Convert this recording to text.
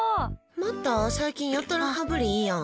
あんた最近やたら羽振りいいやん。